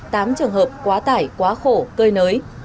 tám trường hợp quá tải quá khổ cơi nới